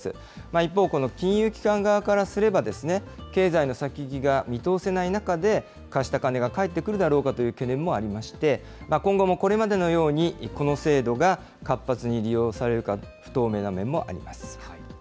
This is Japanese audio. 一方、この金融機関側からすれば、経済の先行きが見通せない中で、貸した金が返ってくるのかという懸念もありまして、今後もこれまでのように、この制度が活発に利用されるか、不透明な面もあります。